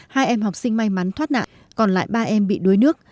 hai em học sinh may mắn thoát nạn còn lại ba em bị đuối nước